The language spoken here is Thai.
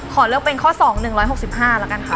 ขอเลือกเป็นข้อ๒๑๖๕แล้วกันค่ะ